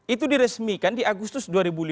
itu diresmikan di agustus dua ribu lima belas